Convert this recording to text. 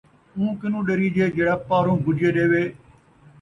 اوں کنوں ݙریجے جیڑھا پاروں بُجے ݙیوے